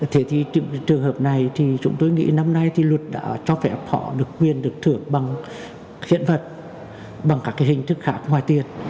thế thì trước cái trường hợp này thì chúng tôi nghĩ năm nay thì luật đã cho phép họ được quyền được thưởng bằng hiện vật bằng các cái hình thức khác ngoài tiền